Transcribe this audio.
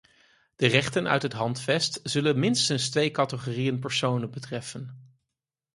De rechten uit het handvest zullen minstens twee categorieën personen betreffen.